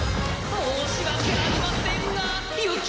申し訳ありませんがいきます。